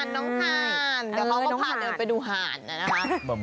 น้องทานเดี๋ยวเขาก็พาเดินไปดูหาดนะครับ